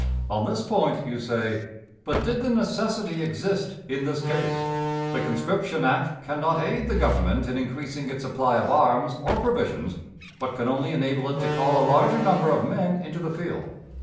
"On this point you say: `But did the necessity exist in this case? The conscription act can not aid the Government in increasing its supply of arms or provisions, but can only enable it to call a larger number of men into the field.